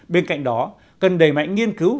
bên cạnh đó cần đầy mạnh nghiên cứu